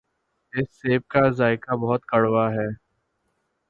اس سیب کا ذائقہ بہت کڑوا ہے۔